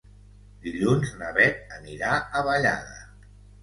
Dilluns na Beth anirà a Vallada.